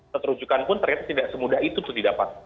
satu rujukan pun ternyata tidak semudah itu didapat